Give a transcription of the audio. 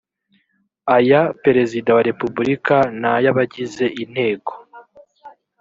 aya perezida wa repubulika n ay abagize inteko